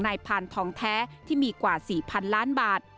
พานทองแท้ที่มีกว่า๔๐๐๐ล้านบาท